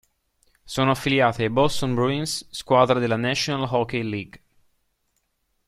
Sono affiliati ai Boston Bruins, squadra della National Hockey League.